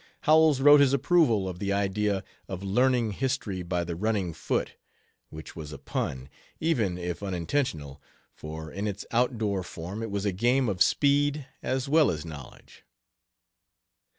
Howells wrote his approval of the idea of "learning history by the running foot," which was a pun, even if unintentional, for in its out door form it was a game of speed as well as knowledge.